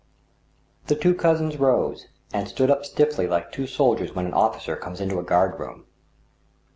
The two cousins rose, and stood up stifRy like two soldiers when an officer comes into a guard room.